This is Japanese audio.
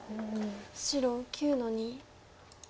白９の二。